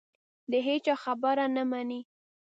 د هېچا خبره نه مني